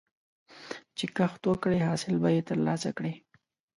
چې کښت وکړې، حاصل به یې ترلاسه کړې.